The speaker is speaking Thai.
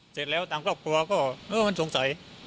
เสร็จแล้วทางครอบครัวก็เออมันสงสัย